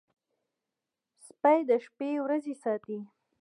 سپي د شپې ورځي ساتي.